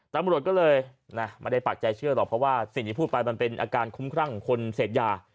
ตำรวจก็เลยไม่ได้ปากใจเชื่อหรอกเพราะว่าสิ่งที่พูดไปมันเป็นอาการคุ้มครั่งของคนเสพยา